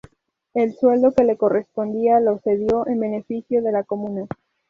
El sueldo que le correspondía lo cedió en beneficio de la comuna.